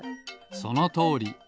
そのとおり。